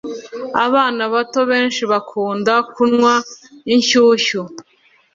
Abana bato benshi bakunda kunywa inshyushyu